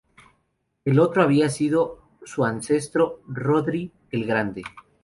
El otro había sido su ancestro Rhodri el Grande.